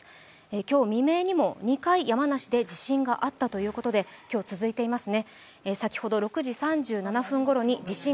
今日未明にも２回、山梨で地震があったということで今日続いていますね。